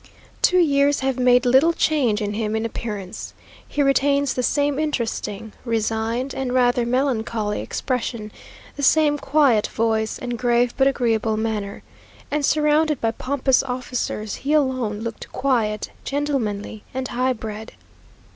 Two years have made little change in him in appearance. He retains the same interesting, resigned, and rather melancholy expression; the same quiet voice, and grave but agreeable manner; and surrounded by pompous officers, he alone looked quiet, gentlemanly, and high bred.